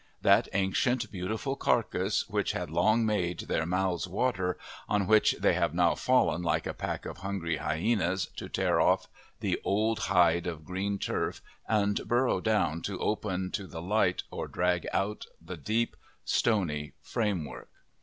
That ancient, beautiful carcass, which had long made their mouths water, on which they have now fallen like a pack of hungry hyenas to tear off the old hide of green turf and burrow down to open to the light or drag out the deep, stony framework.